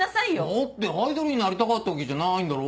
だってアイドルになりたかったわけじゃないんだろ？